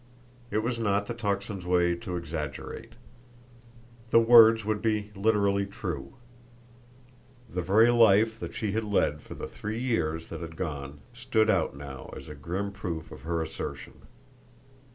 It was not the Tocsin's way to exaggerate. The words would be literally true. The very life she had led for the three years that had gone stood out now as a grim proof of her assertion.